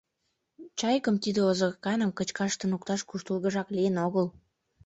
Чайкым, тиде озырканым, кычкаш туныкташ куштылгыжак лийын огыл.